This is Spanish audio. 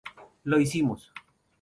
Lo hicimos.